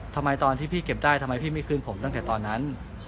ทำไมตอนที่พี่เก็บได้ทำไมพี่ไม่คืนผมตั้งแต่ตอนนั้น